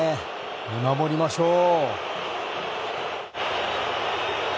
見守りましょう。